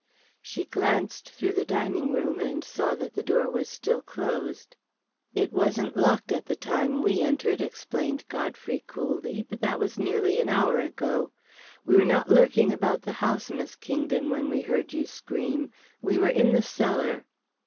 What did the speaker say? She glanced through the dining room and saw that the door was still closed. "It wasn't locked at the time we entered," explained Godfrey coolly. "But that was nearly an hour ago. We were not lurking about the house, Miss Kingdon, when we heard you scream. We were in the cellar."